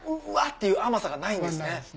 っていう甘さがないんですね。